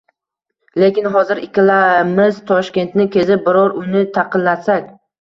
Lekin hozir ikkalamiz Toshkentni kezib biror uyni taqillatsak